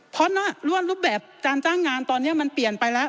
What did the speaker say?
เพราะว่ารูปแบบการจ้างงานตอนนี้มันเปลี่ยนไปแล้ว